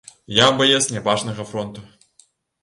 Я баец нябачнага фронту.